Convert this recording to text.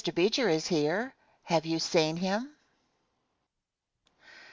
Beecher is here. Have you seen him?